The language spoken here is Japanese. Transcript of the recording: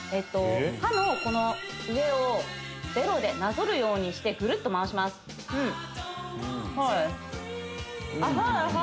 歯の上をベロでなぞるようにしてぐるっと回しますそうです